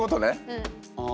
うん。